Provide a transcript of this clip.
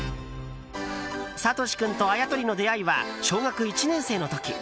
サトシ君とあやとりの出会いは小学１年生の時。